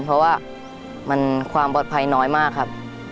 เพราะว่ามันความปลอดภัยน้อยมากครับ